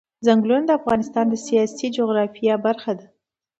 ځنګلونه د افغانستان د سیاسي جغرافیه برخه ده.